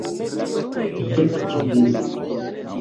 Dek kvin!